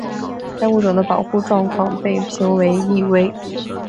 该物种的保护状况被评为易危。